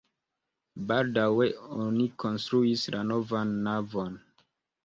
Baldaŭe oni konstruis novan navon.